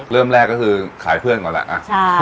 เริ่มแรกก็คือขายเพื่อนก่อนแหละ